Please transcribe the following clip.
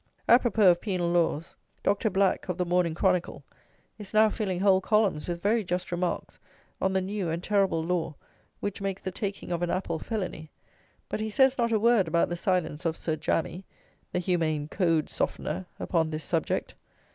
Apropos of penal laws, Doctor Black (of the Morning Chronicle) is now filling whole columns with very just remarks on the new and terrible law, which makes the taking of an apple felony; but he says not a word about the silence of Sir Jammy (the humane code softener) upon this subject!